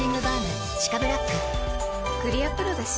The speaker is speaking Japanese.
クリアプロだＣ。